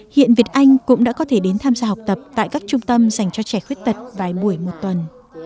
hiện việt anh cũng đã có thể đến tham gia học tập tại các trung tâm dành cho trẻ khuyết tật vài buổi một tuần